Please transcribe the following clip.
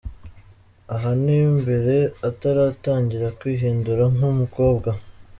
Aha ni mbere ataratangira kwihindura nk’umukobwa.